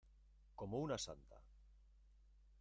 como una santa.